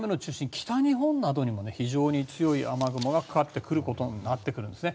北日本などにも非常に強い雨雲がかかってくることになってくるんですね。